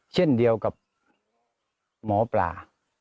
เช่นเดียวกับหมอปลา